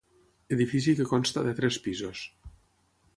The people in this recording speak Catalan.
Edifici que consta de tres pisos.